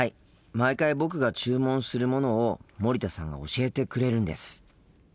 毎回僕が注文するものを森田さんが教えてくれるんです。